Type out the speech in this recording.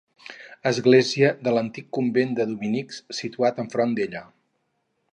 Església de l'antic Convent de Dominics, situat enfront d'ella.